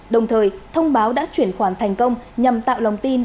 đồng thời thông báo đã chuyển khoản thành công nhằm tạo lòng tin